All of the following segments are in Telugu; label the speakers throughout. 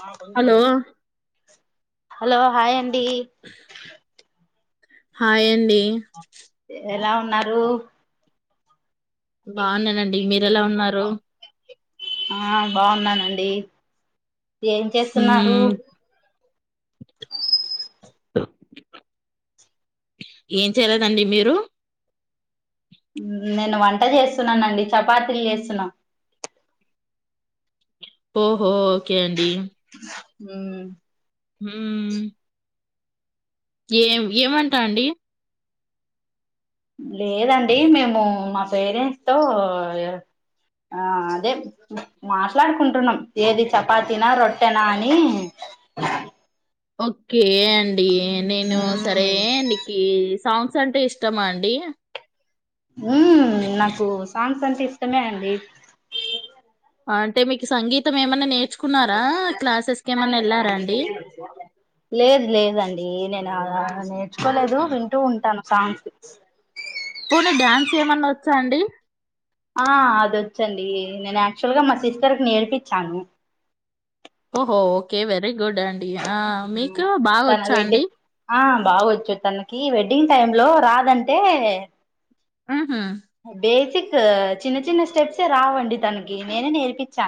Speaker 1: ఆ కొ వ
Speaker 2: హలో
Speaker 1: హలో హాయ్ అం డి
Speaker 2: హాయ్ అండి
Speaker 1: ఎలా ఉన్నారు
Speaker 2: బాగున్నానండి మీరెలా ఉన్నారు
Speaker 1: ఆ బాగున్నానండి ఏం చేస్తున్నారు
Speaker 2: మ్మ్ ఏం చేయరండి మీరు
Speaker 1: నేను వంట చేస్తున్నానండి చపాతీలు చేస్తున్నాం
Speaker 2: ఓహో ఓకే అండి
Speaker 1: ఉమ్
Speaker 2: ఉమ్ ఏం ఏమంటా అండి
Speaker 1: లేదండి మేము మా పేరెంట్స్ తో ఆ అదే మాట్లాడుకుంటున్నాం ఏది చపాతీనా రొట్టెనా అని
Speaker 2: ఓకే అండి నేను సరే
Speaker 1: మ్మ్.
Speaker 2: నీకి సౌండ్స్ అంటే ఇష్టమా అండి
Speaker 1: ఉమ్ నాకు సాంగ్స్ అంటే ఇష్టమే అండి
Speaker 2: అంటే మీకు సంగీతం ఏమన్నా నేర్చుకో అండి
Speaker 1: లేదు లేదండి నేను నేర్చుకోలేదు వింటూ ఉంటాను సాంగ్సెస్
Speaker 2: పోనీ డ్యాన్స్ లు ఏమన్నా వచ్చా అండి
Speaker 1: ఆ అదొచ్చండి నేను యాక్చువల్ గా మా సిస్టర్ కి నేర్పించాను
Speaker 2: ఓహో ఓకే వెరీ గుడ్ అండ్ ఆ మీకు బాగా
Speaker 1: తన
Speaker 2: వచ్చా
Speaker 1: వెడ్డి
Speaker 2: అండి
Speaker 1: ఆ బాగొచ్చు తనకి వెడ్డింగ్ టైమ్ లో రాదంటే
Speaker 2: ఆ
Speaker 1: బేతే చిన్న చిన్న స్టెప్సే రావండి తనకి నేనే నేర్పించా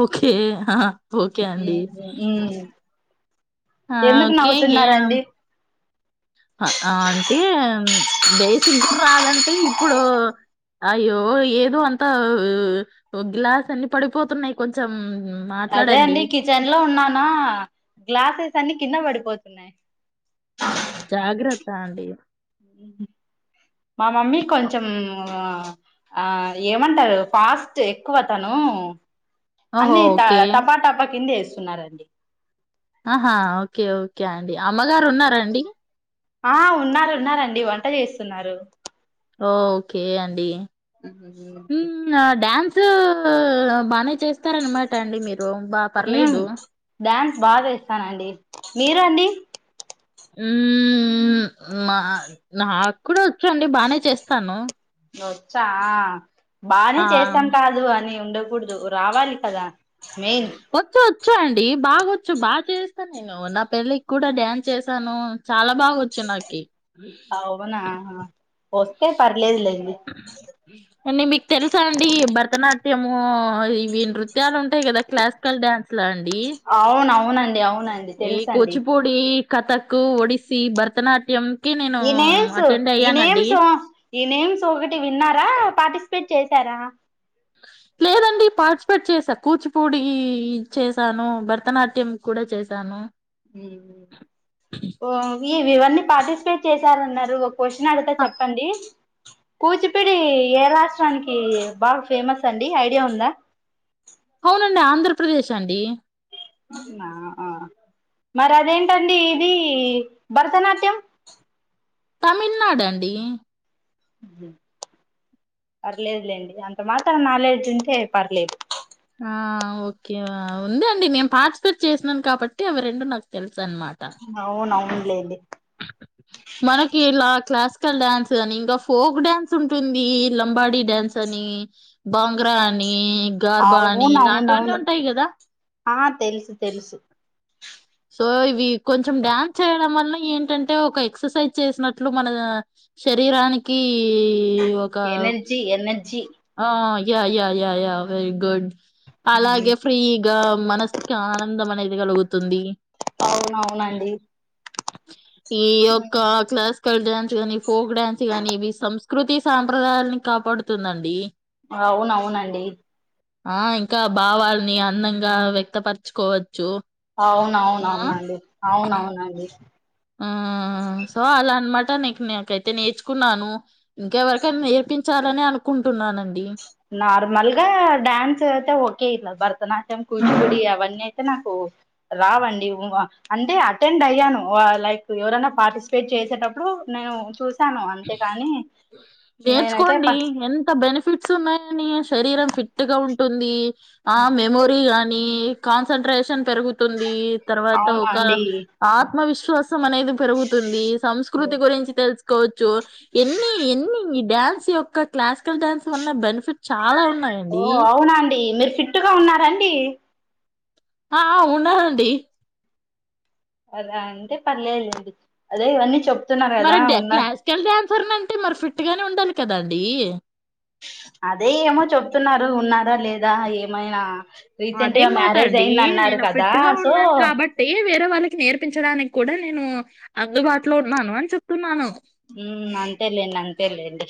Speaker 2: ఓకే ఆ ఓకే అండి
Speaker 1: ఉమ్
Speaker 2: ఆ
Speaker 1: ఎందుకు
Speaker 2: ఓకే
Speaker 1: నవ్వుతున్నారండి
Speaker 2: అంటే బేసిక్ కూడ రాదంటే ఇప్పుడు అయ్యో ఏదో అంతా గ్లాస్ అన్ని పడిపోతున్నాయ్ కొంచెం
Speaker 1: అదే
Speaker 2: మాట్లాడండి.
Speaker 1: అండి కిచెన్ లో ఉన్నానా గ్లాస్ అన్ని కింద పడిపోతున్నాయి
Speaker 2: జాగ్రత్త అండి
Speaker 1: ఉ మా మమ్మీ కొంచెం ఆ ఏమంటారు ఫాస్ట్ ఎక్కువ తాను
Speaker 2: ఓహో!
Speaker 1: అన్నీ
Speaker 2: ఓకే.
Speaker 1: టపా టపా కింద వేస్త సన్నారుడి
Speaker 2: ఆహా ఓకే ఓకే అండి అమ్మగారు ఉన్నారాండి
Speaker 1: ఆ ఉన్నారు ఉన్నారండి వంట చేస్తున్నారు
Speaker 2: ఓ ఓకే అండి
Speaker 1: ఉహు
Speaker 2: హ డ్యాన్సు బానే చేస్త చస్తారనమాట అండి మీరు బాగా పర్లేదు
Speaker 1: బాధ ఇస్తానండి మీరు అండి
Speaker 2: నా నా కూడా వచ్చండి. బానే చేస్తాను.
Speaker 1: వచ్చా బానే
Speaker 2: ఆ!
Speaker 1: చేస్తాం కాదు అని ఉ ఉండకూడదు రావాలి కదా మెయిన్
Speaker 2: వచ్చ చో అండి బాగొచ్చు బాగా చేస్తాను నేను నా పెళ్ళికి కూడా డ్యాన్స్ చేసాను చాలా బాగా వచ్చా నాకి
Speaker 1: ఒకే పర్లేదు లే
Speaker 2: అ మీకు తెలుసా అండి ఈ భరతనాట్యం మో ఇ నృత్యాలు ఉంటాయి కదా క్లాసికల్ డ్యాన్స్ లా అండి
Speaker 1: అవునడి ఆవు
Speaker 2: ఏ కూచిపూడి కథక్ ఒడిస్సీ భరతనాట్యం కి నేను
Speaker 1: ఈ నేమ్స్
Speaker 2: అటెండ్
Speaker 1: ఈ
Speaker 2: అయ్యానండి
Speaker 1: నేమ్స్ ఈ నేమ్స్ ఒకటి విన్నారా పాటిస్త పెట్ చేశారా
Speaker 2: లేదండి పార్టిసిపేట్ చేసా కూచిపూడి చేసాను భరతనాట్యం కూడా చేశాను
Speaker 1: ఇ ఇవన్నీ పార్టిసిపేట్ చేశారున్నారు క్వశ్చన్ అడతా
Speaker 2: అ
Speaker 1: చెప్పండి కూచిపడి ఏ రాష్ట్రానికి బాగా ఫేమస్ అండి ఐడియా ఉందా
Speaker 2: అవునండి ఆంధ్రప్రదేశ్ అండి
Speaker 1: మరి అదేంటండి ఇది భరతనాట్యం
Speaker 2: తమిళనాడు అండి
Speaker 1: పర్లేదులేండి అంత మాత్రం నాలెడ్జ్ ఉంటే పర్లేదు
Speaker 2: ఆ ఓకే ఉంది అండి నేను పార్టిసిపేట్ చేసినాను కాబట్టి అవి రెండు నాకు తెలుసు అన్నమాట
Speaker 1: అవునవునులేండి
Speaker 2: మనకి ఇలా క్లాసికల్ డ్యాన్స్ అని ఇంకా ఫోక్ డ్యాన్స్ ఉంటుంది లంబాడీ డ్యాన్స్ అని బంగ్రా అని బాని ఇలాంటివన్నీ
Speaker 1: అవునవునవును
Speaker 2: ఉంటాయి గదా
Speaker 1: ఆ తెలుసు తెలుసు
Speaker 2: ఓయి వీవ్ కొంచెం డ్యాన్స్ చేయడం వల్ల ఏంటంటే ఒక ఎక్సర్సైజ్ చేసినట్లు మన శరీరానికి ఒకా
Speaker 1: ఎనర్జీ ఎనర్జీ
Speaker 2: అ yeah yeah yeah very good అలాగే ఫ్రీగ్ అ మనసుకి ఆనందం అనేది కలుగుతుంది
Speaker 1: అవునవునండి
Speaker 2: ఈయొక్క క్లాస్ క్కల్ డ్యాన్స్ గానీ ఫోక్ డ్యాన్స్ గానీ ఇవి సంస్కృతి సాంప్రదాయాలని కాపాడుతుందండి
Speaker 1: అవునవునండి
Speaker 2: ఆ ఇంకా భావాల్ని అందంగా వ్యక్తపరచుకోవచ్చు ఆ
Speaker 1: అవునవునవునండి అవునవునండి
Speaker 2: ఆ సో అలా అనమాట నీకు నాకైతే నేర్చుకున్నాను ఇంకెవరికైనా నేర్పించాలని అనుకుంటున్నాను
Speaker 1: నార్మల్గా డ్యాన్స్ అయితే ఓకే ఇట్లగు భరతనాట్యం కూచిపూడి అవన్నీ అయితే నాకు రావండి, అంటే అటెండ్ అయ్యాను, లైక్ ఎవరైనా పార్టిసిపేట్ చేసేటప్పుడు నేను చూ నేనైతే
Speaker 2: నేర్చుకోండి ఎంత బెనిఫిట్ న్నాయని శరీరం ఫిట్ గా ఉంటుంది ఆ మెమోరి నీ కాన్సంట్రేషన్ పెరుగుతుంది తర్వాత
Speaker 1: అవునా
Speaker 2: ఒక
Speaker 1: అండి
Speaker 2: ఆత్మవిశ్వాసం అనేది పెరుగుతుంది సంస్కృతి గురించి తెలుసు కో చ్ తో ఎన్ని ఎన్ని ఈ డ్యాన్స్ యొక్క క్లాసికల్ డ్యాన్స్ వల్ల బెనిఫిట్ చాలా
Speaker 1: ఓ
Speaker 2: ఉన్నాయండి
Speaker 1: అవునా అండి మిర్ ఫీట్టుగా ఉన్నారండి
Speaker 2: ఆ ఉన్నా నండి
Speaker 1: అలా ఉంటే పర్ లేదు లేండి ల్ అదే ఇ వన్నీ చెప్పు
Speaker 2: మరి క్లాసికల్ డాన్స్ ఫర్ మన్త్ మరిఫెట్గానే ఉండాలి కదాండి
Speaker 1: ఎ ఉన్నారా లేదా ఏమైనా రీసెంట్
Speaker 2: అదే
Speaker 1: గా
Speaker 2: ఎంమాట
Speaker 1: మ్యారేజ్
Speaker 2: అండి
Speaker 1: అయింది అన్నారు
Speaker 2: నేను
Speaker 1: కదా
Speaker 2: ఫిట్ గా
Speaker 1: సో
Speaker 2: ఉన్నాను కాబట్టి వేరే వాళ్ళకి నేర్ పించడానికి కూడా నేను అందుబాటులో ఉన్నాను అని చెప్తున్నాను.
Speaker 1: ఉ అంతేలే నం తె లెండీ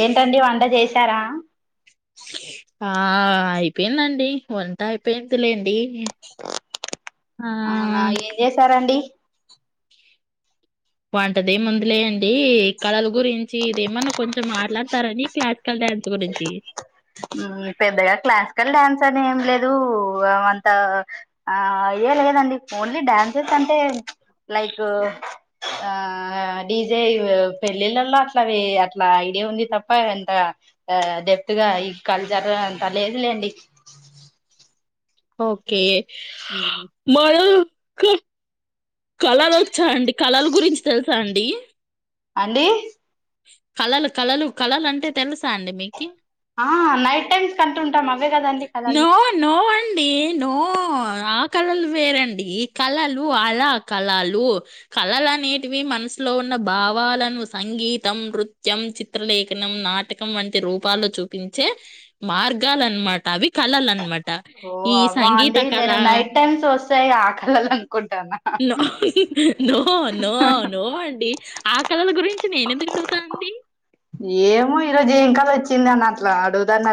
Speaker 1: ఏంటండీ వంట చేశారా
Speaker 2: ఆ అయిపోయిందండి వంట అయిపోయిందిలేండి ఆ
Speaker 1: అవునా ఏం చేసారండి
Speaker 2: వంటదే ముందులే అండి కళలు గురించి ఇదేమన్నా కొంచెం మాట్లాడతారని క్లాసికల్ డ్యాన్స్ గురించి
Speaker 1: పెద్దగా క్లాసికల్ డ్యాన్స్ అని ఏం లేదు అంత ఆ ఏ లేదండి ఓన్లీ డ్యాన్సెస్ అంటే లైక్ ఆ డీజే పెళ్ళిళ్ళల అట్లా అట్లా ఐడియా ఉంది తప్ప ఎంత ఎతుగా ఈ కళ్ళ జర అంత లేదులేండి
Speaker 2: ఓకే మళ్ క కళలు వచ్చా అండి కళలు గురించి తెలుసా అండి
Speaker 1: అండి
Speaker 2: కళలు కళలు కళలు అంటే తెలుసా అండి మీకి
Speaker 1: ఆ నైట్ టైమ్స్ కంటు
Speaker 2: నో నో అండి నో ఆ కళలు వేరండి కళలు అలా కళలు కళలు అనేటివి మనసులో ఉన్న భావాలను సంగీతం నృత్యం చిత్రలేఖనం నాటకం వంటి రూపాల్లో చూపించే మార్గాలు అన్నమాట అవి కళలు అనమట
Speaker 1: ఓ
Speaker 2: ఈ
Speaker 1: అవ్వా
Speaker 2: సంగీత
Speaker 1: అండి
Speaker 2: కళ
Speaker 1: నేను నైట్ టైమ్స్ వస్తాయి ఆ కళలు అనుకుంటానా
Speaker 2: నో నో నో అండి ఆ కళల గురించి నేను ఎందుకు అడుగుతా అండి
Speaker 1: చిందన్న అట్లా అడుదన్నేమ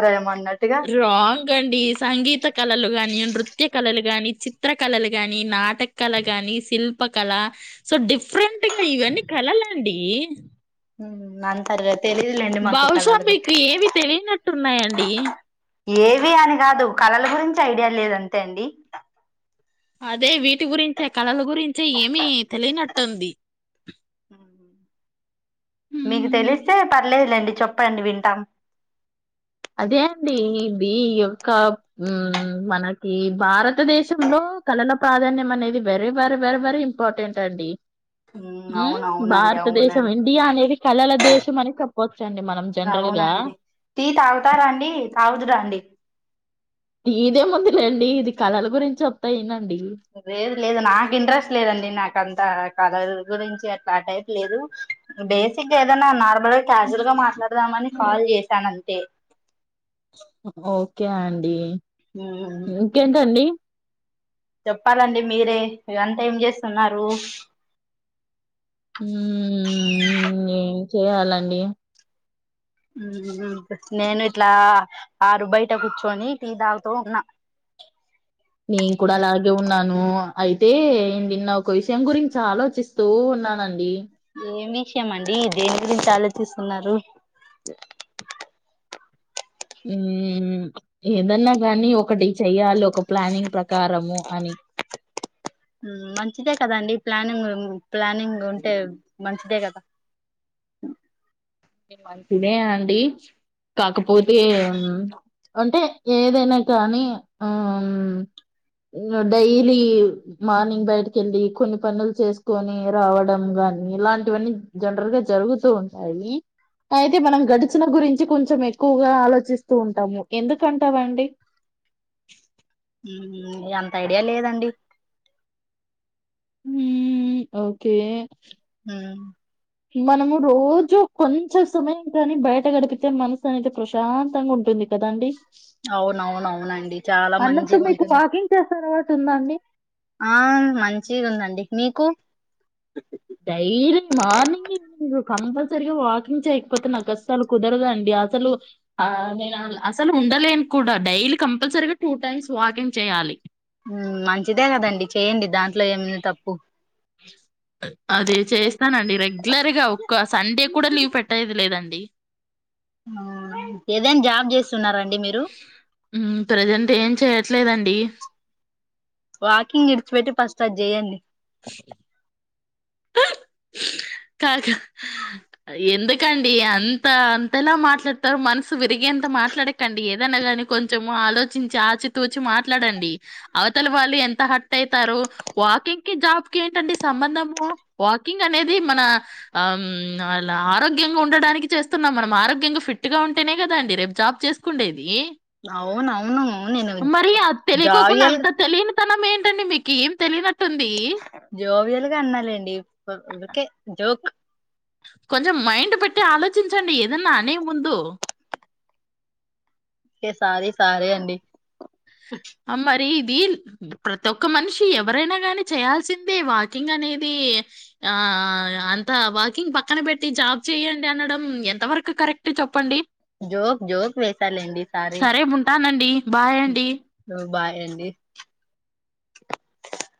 Speaker 2: రాంగ్ అండి సంగీత కళలు గానీ వృత్య కళలు గాని చిత్ర కళలు గాని నాట టేక్ కలగాని సిల్క్ ప్ప కానీ సో డిఫ్ డిఫరెంట్ గా ఇవన్నీ కలలాండి
Speaker 1: ఉ
Speaker 2: బహుశా
Speaker 1: గురించి
Speaker 2: మీకు ఏవి తెలియనట్టున్నాయండి
Speaker 1: ఏవి అని కాదు కళలు గురించి ఐడియా లేదు అంతే అండి
Speaker 2: అదే వీటి గురించే కళల గురించే ఏమి తెలియనట్టుంది
Speaker 1: మీకు
Speaker 2: హ్మ్.
Speaker 1: తెలిస్తే పర్లేదులేండి చెప్పండి వింటాం
Speaker 2: అదే అండి ఇది యొక్క మనకి భారతదేశంలో కళల ప్రాధాన్యం అనేది very very very very important అండి
Speaker 1: అవున అవునండి
Speaker 2: భారతదేశం
Speaker 1: అవునండి
Speaker 2: ఇండియా అనేది కళల దేశం అని చెప్పవచ్చండి మనం జనరల్గా
Speaker 1: అవునండి టీ తాగుతారండి తాగుదు రండి
Speaker 2: టీ ది ఎముందులేండి ఇది కళల గురించి చెప్తా వినండి
Speaker 1: లేదు లేదు నాకు ఇంట్రెస్ట్ లేదండి నాకంతా కళల గురించి అట్లా ఆ టైప్ లేదు బేసిక్గా ఏదన్న నార్మల్గా క్యాజువల్ గా మాట్లాడదామని కాల్ చేశాను అంతే
Speaker 2: ఓకే అండి
Speaker 1: ఉమ్,
Speaker 2: ఇంకేంటండి
Speaker 1: చెప్పాలండి మీరే మీరంత ఏం చేస్తున్నారు
Speaker 2: ఉమ్..... ఏం చెయాలండి
Speaker 1: ఉమ్.... నేను ఇట్లా ఆరు బయట కూర్చొని టీ తాగుతూ ఉన్నా
Speaker 2: నేను కూడా అలాగే ఉన్నాను అయితే నిన్న ఒక విషయం గురించి ఆలోచిస్తూ ఉన్నానండి
Speaker 1: ఏం విషయమండి దేని గురించి ఆలోచిస్తున్నరు
Speaker 2: ఉమ్ ఏదన్నా కానీ ఒకటి చెయాలి ఒక ప్లానింగ్ ప్రకారము అని
Speaker 1: మంచిదే కదండి ప్లానింగ్ ప్లానింగ్ ఉంటే మంచిదే కదా
Speaker 2: మంచిదే అండి కాకపోతే అంటే ఏదైనా కానీ ఆ డైలీ మార్నింగ్ బయటకి వెళ్ళి కొన్ని పనులు చేసుకొని రావడం గాని ఇలాంటివన్నీ జనరల్గా జరుగుతూ ఉంటాయి అయితే మనం గడిచిన గురించి కొంచెం ఎక్కువగా ఆలోచిస్తూ ఉంటాము ఎందుకంటావండి
Speaker 1: ఉమ్ ఇగ అంత ఐడియా లేదండి
Speaker 2: ఉమ్.. ఓకే
Speaker 1: ఉమ్
Speaker 2: మనము రోజు కొంచెం సమయం కానీ బయట గడిపితే మనసు అనేది ప్రశాంతంగా ఉంటుంది కదాండి
Speaker 1: అవునవునవునండి చాలా
Speaker 2: అన్నట్టు
Speaker 1: మంచిగా
Speaker 2: మీకు
Speaker 1: ఉంటుంది
Speaker 2: వాకింగ్ చేసే అలవాటు ఉందా అండి
Speaker 1: ఆ మంచిగుందడి మీకు
Speaker 2: డైలీ మార్నింగ్ కంపల్సరిగ వాకింగ్ చేయకపోతే నాకస్సలు కుదరదండి అసలు నేను అసలు ఉండలేను కూడా డైలీ కంపల్సరిగ టూ టైమ్స్ వాకింగ్ చేయాలి
Speaker 1: ఉమ్ మంచిదే కదండి చేయండి దాంతో ట్లో ఏముంది తప్పు
Speaker 2: అదే చేస్తానండి రెగ్యులర్గా ఒక్క సండే కూడా లీవ్ పెట్టేది లేదండి
Speaker 1: ఆ ఏదైన జాబ్ చేసి
Speaker 2: ప్రజెంట్ ఏం చేయట్లేదండి డీ
Speaker 1: వాకింగ్ విడిచిపెట్టి ఫస్ట్ అది చేయండి
Speaker 2: కాదు కాదు ఎందుకండి అంత అంతలా మాట్లాడతారు మనసు విరిగేంత మాట్లాడకండి ఏదైనా గాని కొంచెము ఆలోచించి ఆచితూచి మాట్లాడండి అవతల వాళ్ళు ఎంత హార్ట్ అయితారు వాకింగ్ కి జాబ్ కి ఏంటండి సంబంధము వాకింగ్ అనేది మన ఆమ్ అ ఆరోగ్యంగా ఉండడానికి చేస్తున్నాం మనం ఆరోగ్యంగా ఫిట్ గా ఉంటేనే కదాండి రేపు జాబ్ చేసుకుండేది
Speaker 1: అవునవును నేను జోవియాల్గా
Speaker 2: తనం ఏంటండి మీకు ఏం తెలియనట్
Speaker 1: జోవియాల్గా అన్నాలేండి ఊరికే జోక్
Speaker 2: కొంచెం మైండ్ పెట్టి ఆలోచించండి ఏదన్న అనే ముందు
Speaker 1: సారీ సారీ అండి
Speaker 2: ఆ మరి ఇది ప్రతి ఒక్క మనిషి ఎవరైనా గాని చేయాల్సిందే వాకింగ్ అనేది ఆ అంత వాకింగ్ పక్కన పెట్టి జాబ్ చేయండి అనడం ఎంత వరకు కరెక్ట్ చెప్పండి
Speaker 1: జోక్ జోక్ వేసాలేండి సారీ
Speaker 2: సరే ఉంటానండి బాయ్ అండి
Speaker 1: బై అండి